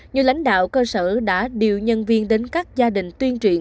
nhiều lãnh đạo cơ sở đã điều nhân viên đến các gia đình tuyên truyền